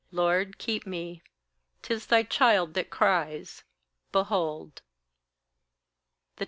Lord, keep me. 'Tis thy child that cries. Behold. 26.